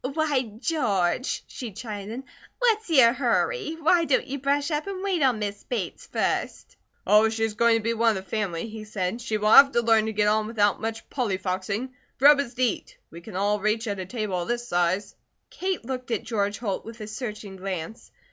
"Why, George," she chided. "What's your hurry? Why don't you brush up and wait on Miss Bates first?" "Oh, if she is going to be one of the family," he said, "she will have to learn to get on without much polly foxing. Grub is to eat. We can all reach at a table of this size." Kate looked at George Holt with a searching glance.